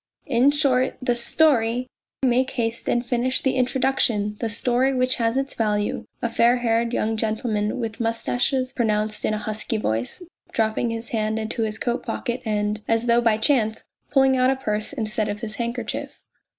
" In short the story make haste and finish the introduc tion. The story, which has its value," a fair haired young man with moustaches pronounced in a husky voice, dropping his hand into his coat pocket and, as though by chance, pulling out a purse instead of his handkerchief.